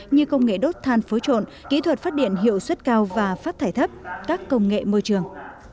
như công nghệ đốt than phối trộn kỹ thuật phát điện hiệu suất cao và phát thải thấp các công nghệ môi trường